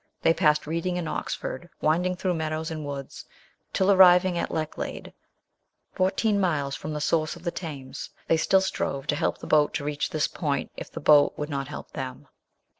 They passed Reading and Oxford, winding through meadows and woods, till arriving at Lechlade, fourteen miles from the source of the Thames, they still strove to help the boat to reach this point if the boat would not help them.